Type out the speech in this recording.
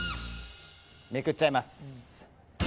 めくっちゃいます。